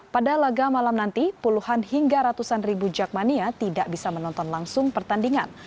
pada laga malam nanti puluhan hingga ratusan ribu jakmania tidak bisa menonton langsung pertandingan